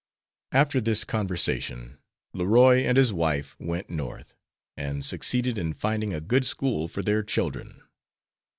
After this conversation Leroy and his wife went North, and succeeded in finding a good school for their children.